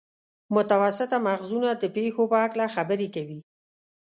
متوسط مغزونه د پېښو په هکله خبرې کوي.